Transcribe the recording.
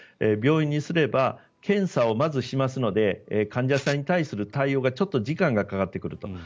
病院にすれば検査をまずしますので患者さんに対する対応がちょっと時間がかかってくると。